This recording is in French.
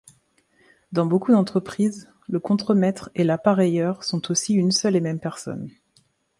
Dans beaucoup d'entreprises le contremaitre et l'appareilleur sont aussi une seule et même personne.